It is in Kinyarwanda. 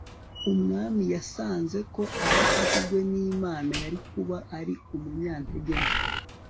umwami yasanze ko adafashijwe n'imana, yari kuba ari umunyantege nke